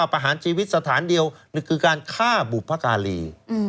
ประหารชีวิตสถานเดียวคือการฆ่าบุพการี